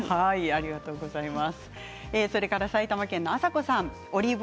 ありがとうございます。